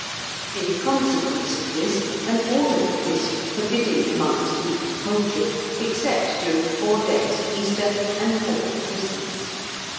In consequence of this an order was issued forbidding the monks to eat poultry, except during four days at Easter and four at Christmas.